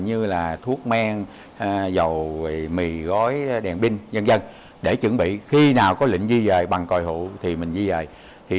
như là thuốc men dầu quỳ mì gói đèn pin v dân dân để chuẩn bị khi nào có lệnh di dời bằng còi hụ thì mình di dời